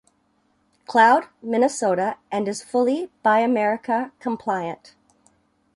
Cloud, Minnesota, and is fully "Buy America" compliant.